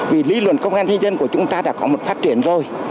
vì lý luận công an di dân của chúng ta đã có một phát triển rồi